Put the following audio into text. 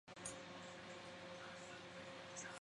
埃尚代利。